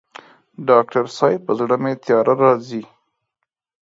ډاکټر صاحب په زړه مي تیاره راځي